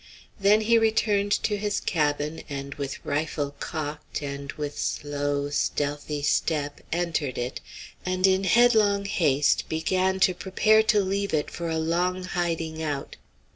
Then he returned to his cabin and with rifle cocked and with slow, stealthy step entered it, and in headlong haste began to prepare to leave it for a long hiding out.